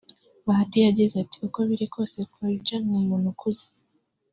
Bahati yagize ati “ Uko biri kose Croidja ni umuntu ukuze